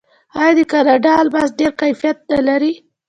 آیا د کاناډا الماس ډیر کیفیت نلري؟